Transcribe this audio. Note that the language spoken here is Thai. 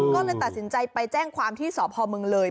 ก็เลยตัดสินใจไปแจ้งความที่สพมเลย